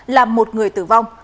làm một người tử vong